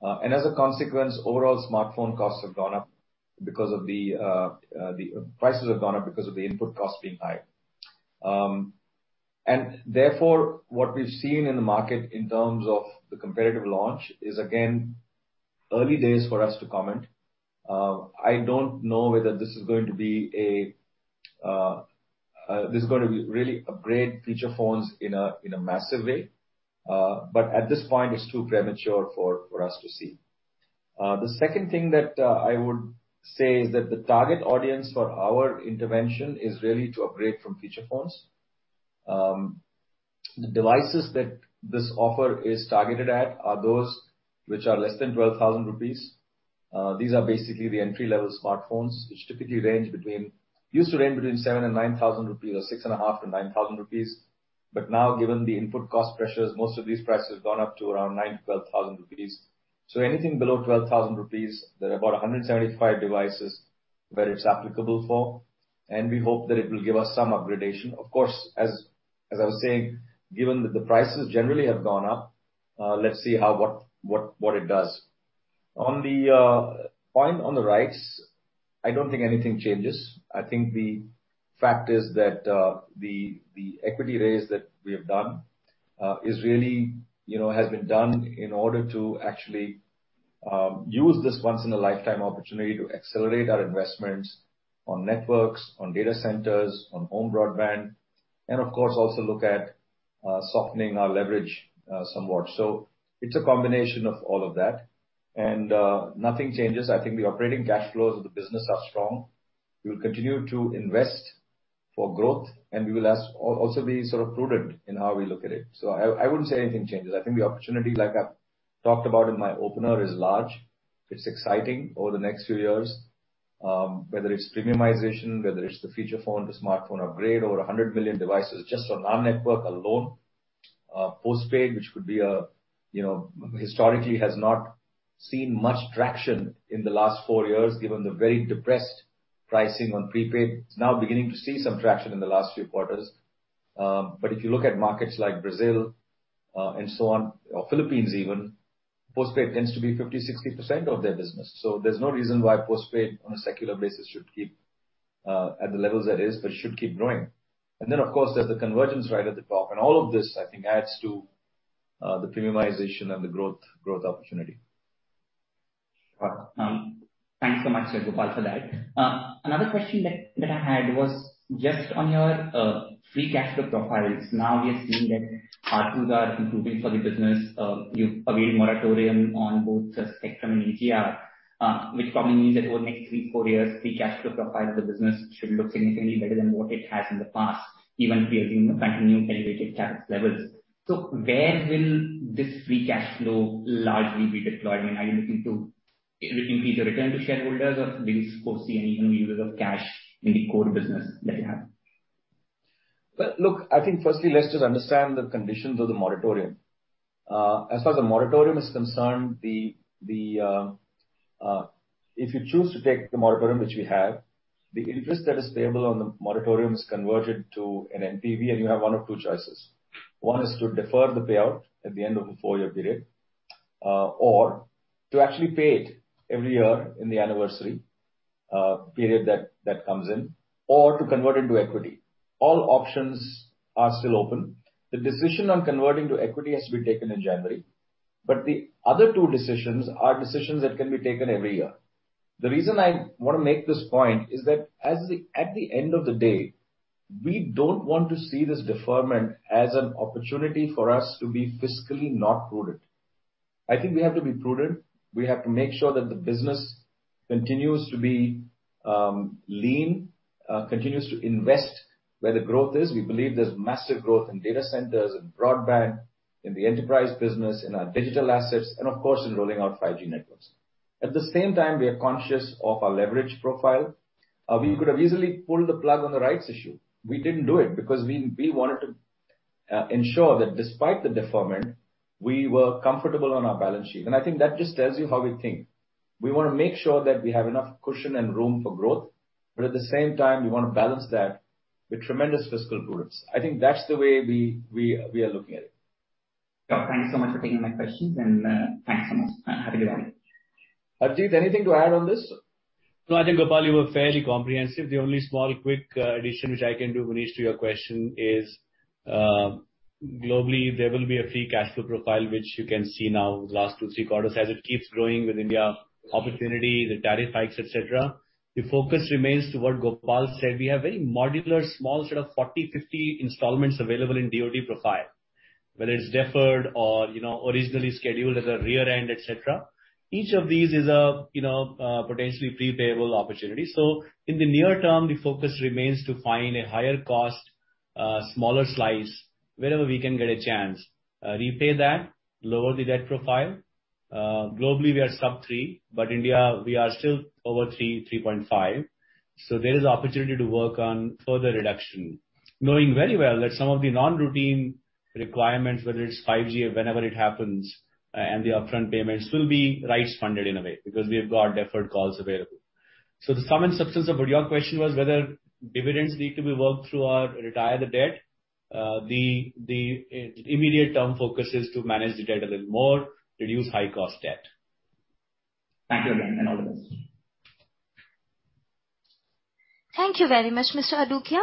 And as a consequence, overall smartphone costs have gone up because prices have gone up because of the input cost being high. Therefore, what we've seen in the market in terms of the competitive launch is, again, early days for us to comment. I don't know whether this is going to really upgrade feature phones in a massive way. At this point it's too premature for us to see. The second thing that I would say is that the target audience for our intervention is really to upgrade from feature phones. The devices that this offer is targeted at are those which are less than 12,000 rupees. These are basically the entry-level smartphones, which typically used to range between 7,000-9,000 rupees or 6,500-9,000 rupees. Now, given the input cost pressures, most of these prices have gone up to around 9 thousand-12 thousand rupees. Anything below 12 thousand rupees, there are about 175 devices where it's applicable for, and we hope that it will give us some upgradation. Of course, as I was saying, given that the prices generally have gone up, let's see how what it does. On the point on the rights, I don't think anything changes. I think the fact is that the equity raise that we have done is really, you know, has been done in order to actually use this once in a lifetime opportunity to accelerate our investments on networks, on data centers, on home broadband, and of course, also look at softening our leverage somewhat. It's a combination of all of that. Nothing changes. I think the operating cash flows of the business are strong. We will continue to invest for growth, and we will also be sort of prudent in how we look at it. I wouldn't say anything changes. I think the opportunity, like I've talked about in my opener, is large. It's exciting over the next few years, whether it's premiumization, whether it's the feature phone to smartphone upgrade, over 100 million devices just on our network alone. Postpaid, which could be, you know, historically has not seen much traction in the last four years, given the very depressed pricing on prepaid. It's now beginning to see some traction in the last few quarters. If you look at markets like Brazil and so on, or Philippines even, postpaid tends to be 50%-60% of their business, so there's no reason why postpaid on a secular basis should keep at the levels it is, but it should keep growing. Then, of course, there's the convergence right at the top. All of this, I think, adds to the premiumization and the growth opportunity. Right. Thanks so much there, Gopal, for that. Another question that I had was just on your free cash flow profiles. Now we are seeing that ARPU are improving for the business. You've availed moratorium on both the spectrum and AGR, which probably means that over the next three-four years, free cash flow profile of the business should look significantly better than what it has in the past, even considering the continued elevated CapEx levels. Where will this free cash flow largely be deployed? I mean, are you looking to increase the return to shareholders or do you foresee any new use of cash in the core business that you have? Well, look, I think firstly, let's just understand the conditions of the moratorium. As far as the moratorium is concerned, if you choose to take the moratorium, which we have, the interest that is payable on the moratorium is converted to an NPV, and you have one of two choices. One is to defer the payout at the end of a four-year period, or to actually pay it every year in the anniversary period that comes in, or to convert into equity. All options are still open. The decision on converting to equity has to be taken in January, but the other two decisions are decisions that can be taken every year. The reason I wanna make this point is that as the At the end of the day, we don't want to see this deferment as an opportunity for us to be fiscally not prudent. I think we have to be prudent. We have to make sure that the business continues to be lean, continues to invest where the growth is. We believe there's massive growth in data centers and broadband, in the enterprise business, in our digital assets, and of course, in rolling out 5G networks. At the same time, we are conscious of our leverage profile. We could have easily pulled the plug on the rights issue. We didn't do it because we wanted to ensure that despite the deferment, we were comfortable on our balance sheet. I think that just tells you how we think. We wanna make sure that we have enough cushion and room for growth, but at the same time, we wanna balance that with tremendous fiscal prudence. I think that's the way we are looking at it. Yeah. Thanks so much for taking my questions, and thanks so much. Have a good one. Harjeet, anything to add on this? No, I think, Gopal, you were fairly comprehensive. The only small quick addition which I can do, Manish, to your question is, globally, there will be a free cash flow profile, which you can see now last two, three quarters. As it keeps growing with India opportunity, the tariff hikes, et cetera, the focus remains to what Gopal said. We have very modular, small sort of 40, 50 installments available in debt profile, whether it's deferred or, you know, originally scheduled at the rear end, et cetera. Each of these is a, you know, a potentially pre-payable opportunity. In the near term, the focus remains to find a higher cost smaller slice wherever we can get a chance repay that, lower the debt profile. Globally, we are sub three, but India we are still over 3.5, so there is opportunity to work on further reduction. Knowing very well that some of the non-routine requirements, whether it's 5G or whenever it happens, and the upfront payments will be rights funded in a way because we have got deferred calls available. The sum and substance of what your question was, whether dividends need to be worked through or retire the debt, the immediate term focus is to manage the debt a little more, reduce high cost debt. Thank you again and all the best. Thank you very much, Mr. Adukia.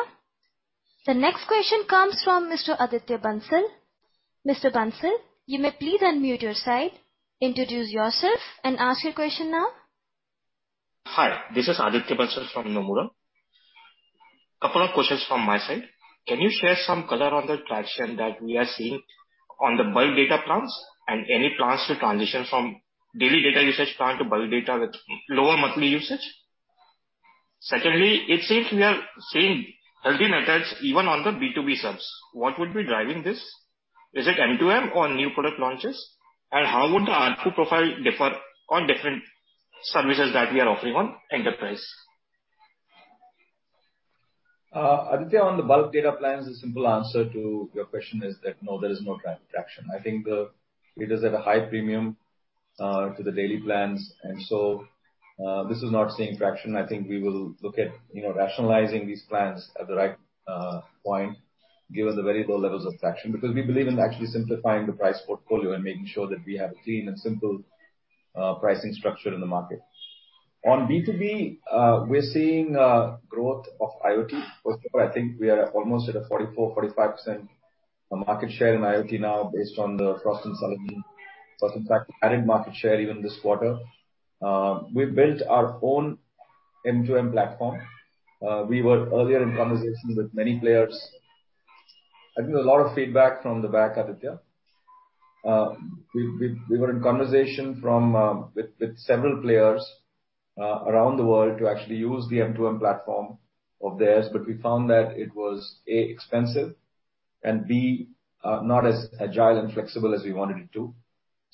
The next question comes from Mr. Aditya Bansal. Mr. Bansal, you may please unmute your side, introduce yourself and ask your question now. Hi, this is Aditya Bansal from Nomura. Couple of questions from my side. Can you share some color on the traction that we are seeing on the bulk data plans and any plans to transition from daily data usage plan to bulk data with lower monthly usage? Secondly, it seems we are seeing healthy metrics even on the B2B subs. What would be driving this? Is it M2M or new product launches? And how would the ARPU profile differ on different services that we are offering on enterprise? Aditya, on the bulk data plans, the simple answer to your question is that no, there is no traction. I think it is at a high premium to the daily plans. This is not seeing traction. I think we will look at, you know, rationalizing these plans at the right point, given the very low levels of traction, because we believe in actually simplifying the price portfolio and making sure that we have a clean and simple pricing structure in the market. On B2B, we're seeing growth of IoT. First of all, I think we are almost at a 44%-45% market share in IoT now based on the Frost & Sullivan. So, in fact, added market share even this quarter. We built our own M2M platform. We were earlier in conversations with many players. I think a lot of feedback from the back, Aditya. We were in conversation with several players around the world to actually use the M2M platform of theirs. We found that it was, A, expensive and, B, not as agile and flexible as we wanted it to.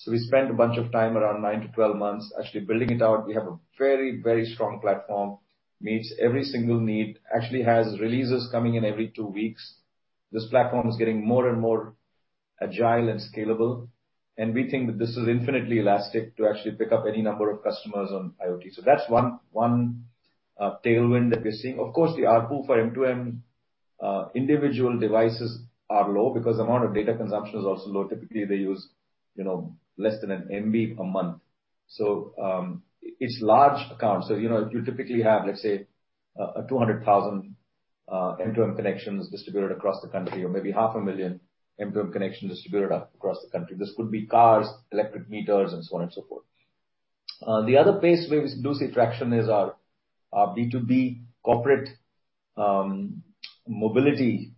We spent a bunch of time, around nine-12 months, actually building it out. We have a very, very strong platform, meets every single need. Actually has releases coming in every two weeks. This platform is getting more and more agile and scalable, and we think that this is infinitely elastic to actually pick up any number of customers on IoT. That's one tailwind that we're seeing. Of course, the ARPU for M2M individual devices are low because the amount of data consumption is also low. Typically, they use, you know, less than an MB a month. It's large accounts. You know, you typically have, let's say, 200,000 M2M connections distributed across the country or maybe 500,000 M2M connections distributed across the country. This could be cars, electric meters and so on and so forth. The other place where we do see traction is our B2B corporate mobility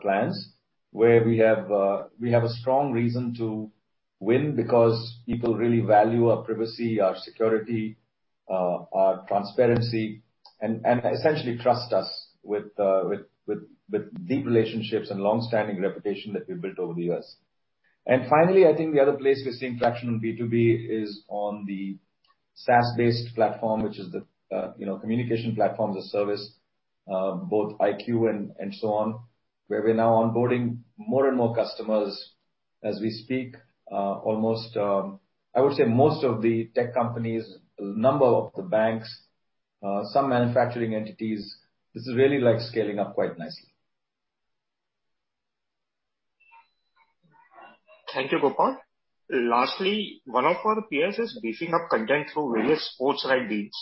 plans, where we have a strong reason to win because people really value our privacy, our security, our transparency, and essentially trust us with deep relationships and long-standing reputation that we've built over the years. Finally, I think the other place we're seeing traction on B2B is on the SaaS-based platform, which is the communication platform as a service, both Airtel IQ and so on, where we're now onboarding more and more customers as we speak. Almost, I would say most of the tech companies, a number of the banks, some manufacturing entities. This is really, like, scaling up quite nicely. Thank you, Gopal. Lastly, one of our peers is beefing up content through various sports rights deals.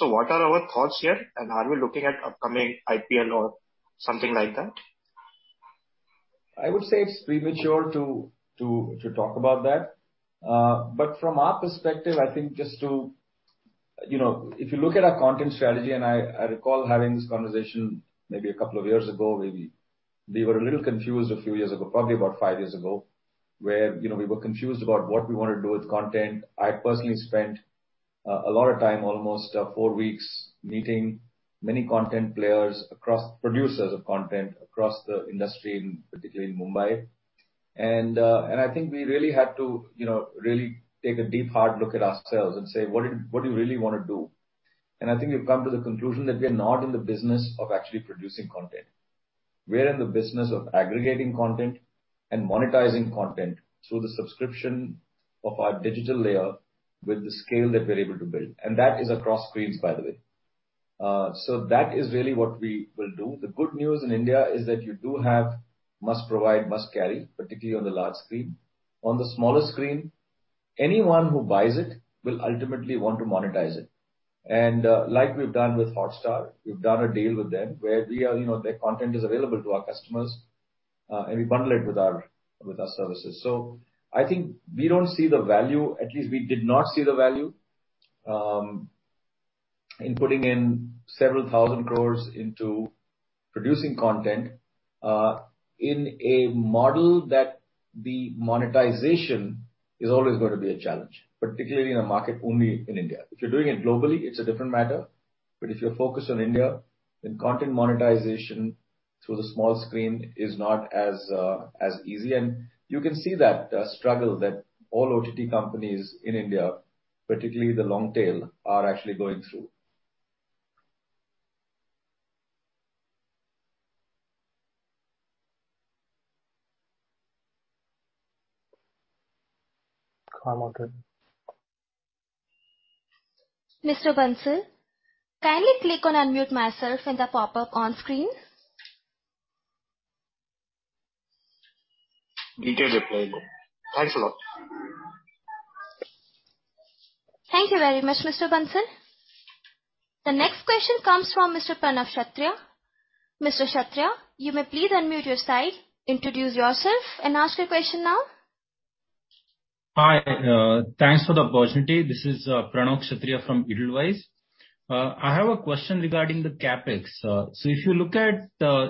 What are our thoughts here, and are we looking at upcoming IPL or something like that? I would say it's premature to talk about that. From our perspective, I think just to you know, if you look at our content strategy, and I recall having this conversation maybe a couple of years ago, where we were a little confused a few years ago, probably about five years ago, where you know, we were confused about what we wanted to do with content. I personally spent a lot of time, almost four weeks, meeting many content players across producers of content, across the industry, particularly in Mumbai. I think we really had to you know, really take a deep, hard look at ourselves and say, "What do you really wanna do?" I think we've come to the conclusion that we are not in the business of actually producing content. We are in the business of aggregating content and monetizing content through the subscription of our digital layer with the scale that we're able to build. That is across screens, by the way. That is really what we will do. The good news in India is that you do have must provide, must carry, particularly on the large screen. On the smaller screen, anyone who buys it will ultimately want to monetize it. Like we've done with Hotstar, we've done a deal with them where we are, you know, their content is available to our customers, and we bundle it with our services. I think we don't see the value, at least we did not see the value, in putting in INR several thousand crores into producing content, in a model that the monetization is always gonna be a challenge, particularly in a market only in India. If you're doing it globally, it's a different matter. If you're focused on India, then content monetization through the small screen is not as easy. You can see that struggle that all OTT companies in India, particularly the long tail, are actually going through. Commented. Mr. Aditya Bansal, kindly click on unmute myself in the pop-up on screen. We get it. Thanks a lot. Thank you very much, Mr. Bansal. The next question comes from Mr. Pranav Kshatriya. Mr. Kshatriya, you may please unmute your side, introduce yourself and ask your question now. Hi. Thanks for the opportunity. This is Pranav Kshatriya from Edelweiss. I have a question regarding the CapEx. If you look at,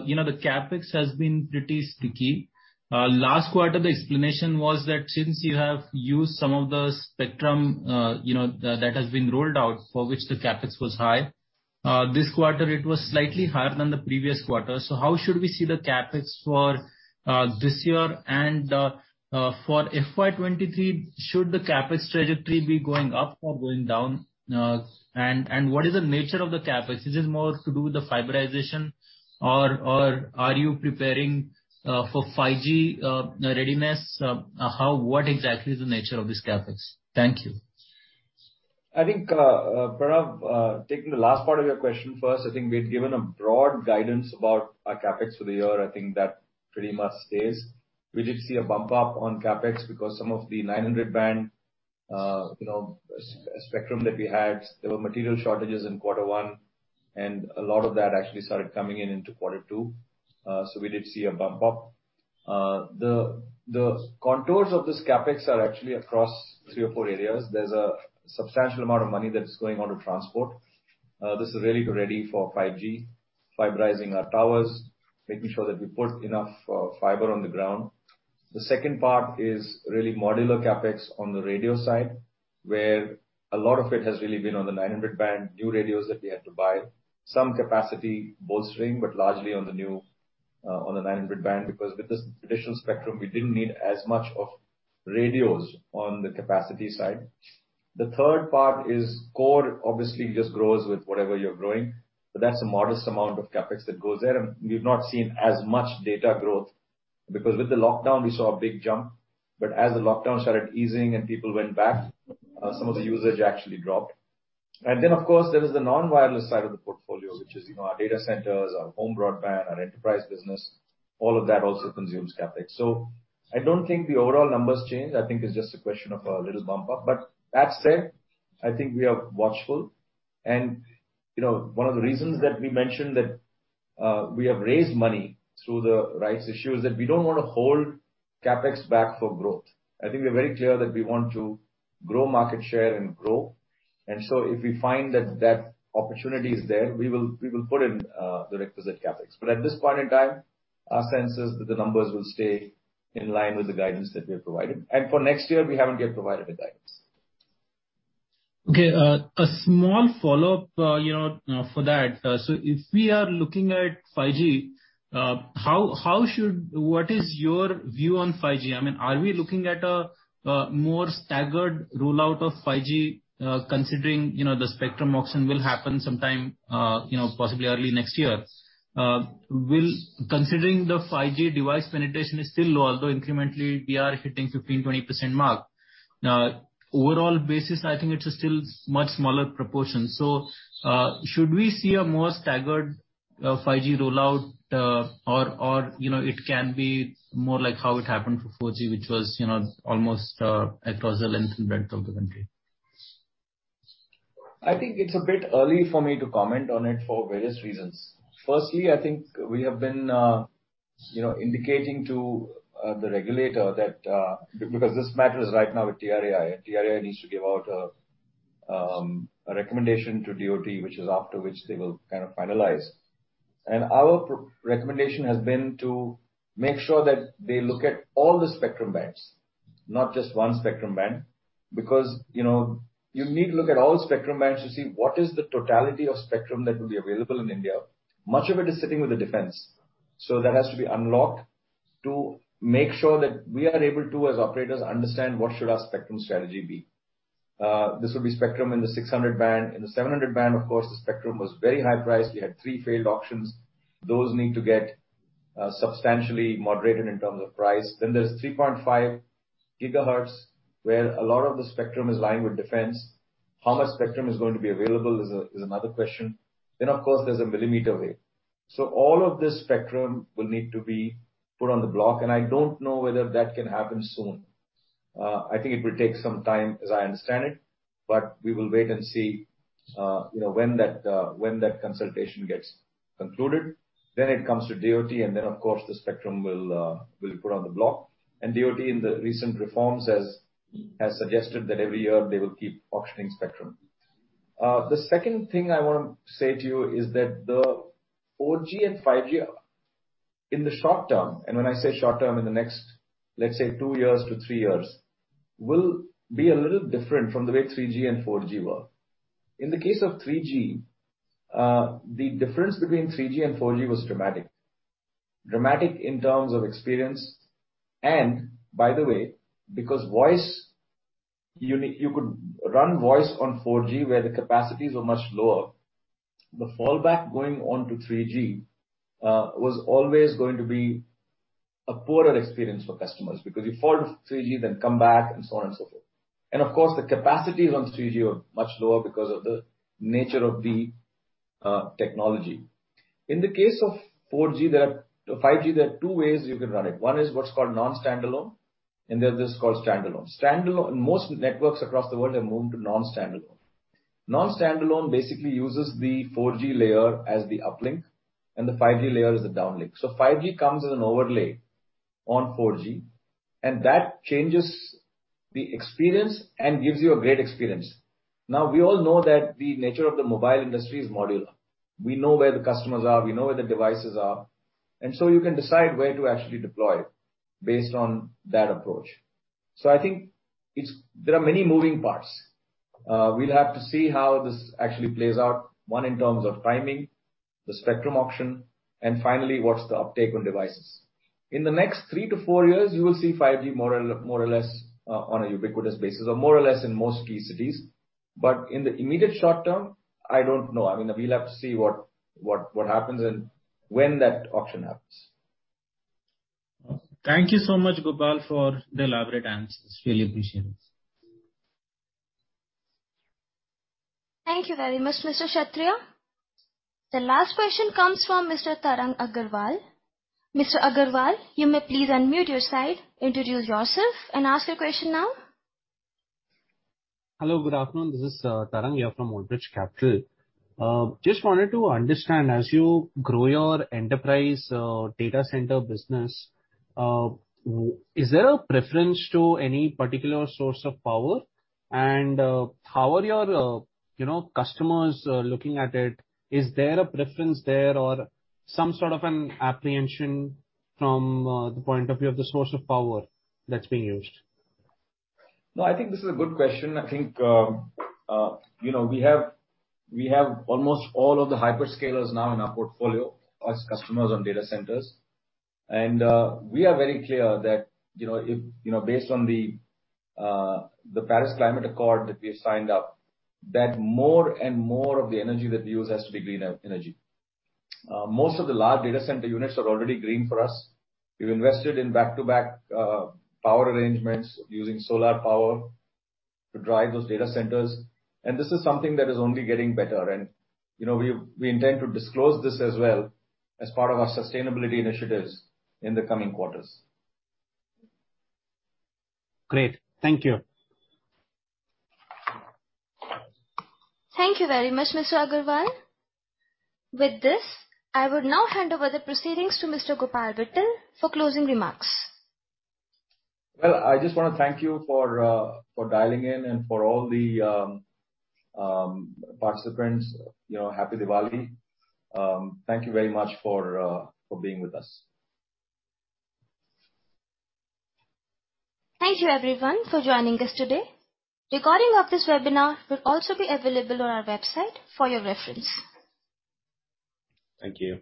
you know, the CapEx has been pretty sticky. Last quarter, the explanation was that since you have used some of the spectrum, you know, that has been rolled out for which the CapEx was high. This quarter, it was slightly higher than the previous quarter. How should we see the CapEx for this year? And for FY 2023, should the CapEx trajectory be going up or going down? And what is the nature of the CapEx? Is this more to do with the fiberization or are you preparing for 5G readiness? What exactly is the nature of this CapEx? Thank you. I think, Pranav, taking the last part of your question first, I think we've given a broad guidance about our CapEx for the year. I think that pretty much stays. We did see a bump up on CapEx because some of the 900 band, you know, spectrum that we had, there were material shortages in quarter one, and a lot of that actually started coming in into quarter two. So we did see a bump up. The contours of this CapEx are actually across three or four areas. There's a substantial amount of money that is going onto transport. This is really to ready for 5G, fiberizing our towers, making sure that we put enough fiber on the ground. The second part is really modular CapEx on the radio side, where a lot of it has really been on the 900 band, new radios that we had to buy, some capacity bolstering, but largely on the new, on the 900 band, because with this additional spectrum, we didn't need as many radios on the capacity side. The third part is core, obviously just grows with whatever you're growing, but that's a modest amount of CapEx that goes there. We've not seen as much data growth, because with the lockdown we saw a big jump. As the lockdown started easing and people went back, some of the usage actually dropped. Of course, there is the non-wireless side of the portfolio, which is, you know, our data centers, our home broadband, our enterprise business. All of that also consumes CapEx. I don't think the overall numbers change. I think it's just a question of a little bump up. That said, I think we are watchful. You know, one of the reasons that we mentioned that we have raised money through the rights issue is that we don't wanna hold CapEx back for growth. I think we're very clear that we want to grow market share and grow. If we find that that opportunity is there, we will put in the requisite CapEx. At this point in time, our sense is that the numbers will stay in line with the guidance that we have provided. For next year, we haven't yet provided a guidance. Okay. A small follow-up, you know, for that. So if we are looking at 5G, what is your view on 5G? I mean, are we looking at a more staggered rollout of 5G, considering, you know, the spectrum auction will happen sometime, you know, possibly early next year, considering the 5G device penetration is still low, although incrementally we are hitting 15%-20% mark. Overall basis, I think it is still much smaller proportion. Should we see a more staggered 5G rollout, or you know, it can be more like how it happened for 4G which was, you know, almost across the length and breadth of the country? I think it's a bit early for me to comment on it for various reasons. Firstly, I think we have been, you know, indicating to the regulator that, because this matters right now with TRAI. TRAI needs to give out a recommendation to DoT, after which they will kind of finalize. Our recommendation has been to make sure that they look at all the spectrum bands, not just one spectrum band. Because, you know, you need to look at all spectrum bands to see what is the totality of spectrum that will be available in India. Much of it is sitting with the defense, so that has to be unlocked to make sure that we are able to, as operators, understand what should our spectrum strategy be. This will be spectrum in the 600 band. In the 700 band, of course, the spectrum was very high-priced. We had three failed auctions. Those need to get substantially moderated in terms of price. There's 3.5 GHz, where a lot of the spectrum is lying with defense. How much spectrum is going to be available is another question. Of course there's a millimeter wave. All of this spectrum will need to be put on the block, and I don't know whether that can happen soon. I think it will take some time, as I understand it, but we will wait and see, you know, when that consultation gets concluded. It comes to DoT, and then of course the spectrum will be put on the block. DoT in the recent reforms has suggested that every year they will keep auctioning spectrum. The second thing I want to say to you is that the 4G and 5G in the short term, and when I say short term, in the next, let's say, two years to three years, will be a little different from the way 3G and 4G were. In the case of 3G, the difference between 3G and 4G was dramatic. Dramatic in terms of experience, and by the way, because voice, you could run voice on 4G where the capacities were much lower. The fallback going onto 3G was always going to be a poorer experience for customers because you fall to 3G then come back and so on and so forth. Of course the capacities on 3G are much lower because of the nature of the technology. In the case of 4G 5G, there are two ways you can run it. One is what's called non-standalone, and the other's called standalone. Most networks across the world have moved to non-standalone. Non-standalone basically uses the 4G layer as the uplink and the 5G layer as the downlink. 5G comes as an overlay on 4G, and that changes the experience and gives you a great experience. Now, we all know that the nature of the mobile industry is modular. We know where the customers are, we know where the devices are, and so you can decide where to actually deploy based on that approach. I think there are many moving parts. We'll have to see how this actually plays out, one in terms of timing, the spectrum auction, and finally, what's the uptake on devices. In the next three to four years, you will see 5G more or less on a ubiquitous basis or more or less in most key cities. In the immediate short term, I don't know. I mean, we'll have to see what happens and when that auction happens. Thank you so much, Gopal, for the elaborate answers. I really appreciate it. Thank you very much, Mr. Kshatriya. The last question comes from Mr. Tarang Agrawal. Mr. Agrawal, you may please unmute your side, introduce yourself and ask your question now. Hello, good afternoon. This is Tarang here from Old Bridge Capital. Just wanted to understand, as you grow your enterprise data center business, is there a preference to any particular source of power? How are your, you know, customers looking at it? Is there a preference there or some sort of an apprehension from the point of view of the source of power that's being used? No, I think this is a good question. I think, you know, we have almost all of the hyperscalers now in our portfolio as customers on data centers. We are very clear that, you know, based on the Paris Agreement that we have signed up, that more and more of the energy that we use has to be green energy. Most of the large data center units are already green for us. We've invested in back-to-back power arrangements using solar power to drive those data centers, and this is something that is only getting better. You know, we intend to disclose this as well as part of our sustainability initiatives in the coming quarters. Great. Thank you. Thank you very much, Mr. Agrawal. With this, I will now hand over the proceedings to Mr. Gopal Vittal for closing remarks. Well, I just wanna thank you for dialing in and for all the participants. You know, Happy Diwali. Thank you very much for being with us. Thank you everyone for joining us today. Recording of this webinar will also be available on our website for your reference. Thank you.